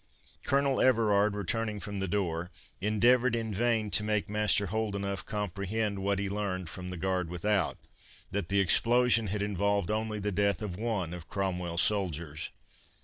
Colonel Everard returning from the door, endeavoured in vain to make Master Holdenough comprehend what he learned from the guard without, that the explosion had involved only the death of one of Cromwell's soldiers.